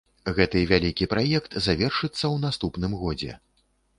Гэты вялікі праект завершыцца у наступным годзе.